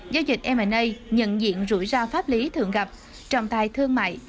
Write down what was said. giao dịch ma nhận diện rủi ro pháp lý thường gặp trọng tài thương mại